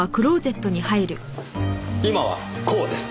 今はこうです。